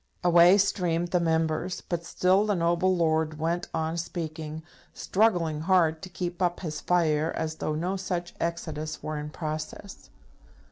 Away streamed the Members, but still the noble lord went on speaking, struggling hard to keep up his fire as though no such exodus were in process.